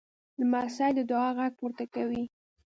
لمسی د دعا غږ پورته کوي.